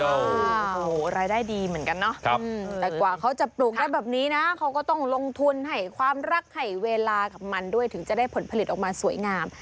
โอ้โหรายได้ดีเหมือนกันเนาะแต่กว่าเขาจะปลูกได้แบบนี้นะเขาก็ต้องลงทุนให้ความรักให้เวลากับมันด้วยถึงจะได้ผลผลิตออกมาสวยงาม